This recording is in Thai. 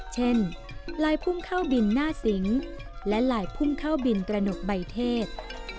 เช่นลายพุ่งเข้าบินหน้าสิงและลายพุ่งเข้าบินกระหนกใบเทศ